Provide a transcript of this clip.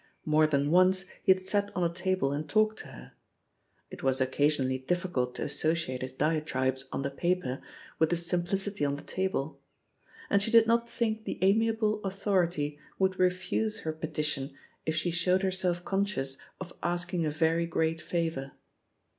More than once he had sat on a table and talked to her — it was occasionally difficult to as sociate his diatribes on the paper with his sim plicity on the table — and she did not think the amiable authority would refuse her petition if she 276 «76 THE POSITION OF PEGGY HARPEB showed herself conscious of asking a rcrj great favour.